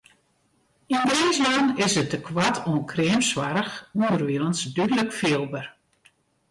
Yn Grinslân is it tekoart oan kreamsoarch ûnderwilens dúdlik fielber.